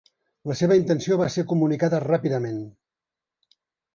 La seva intenció va ser comunicada ràpidament.